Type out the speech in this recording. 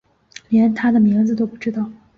连他的名字都不知道